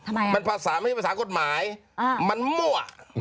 ทำไมมันภาษาไม่ใช่ภาษากฎหมายมันมั่ว